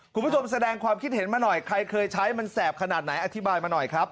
คุณผู้ชมแสดงความคิดเห็นมาหน่อยใครเคยใช้มันแสบขนาดไหนอธิบายมาหน่อยครับ